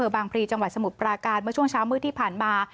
พลีจังหวัดสมุทรปราการเมื่อช่วงเช้ามืดที่ผ่านมา